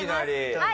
はい。